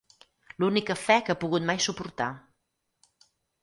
L'única fe que ha pogut mai suportar.